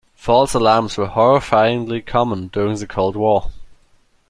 False alarms were horrifyingly common during the Cold War.